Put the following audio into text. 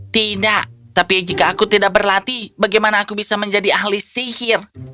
tidak tapi jika aku tidak berlatih bagaimana aku bisa menjadi ahli sihir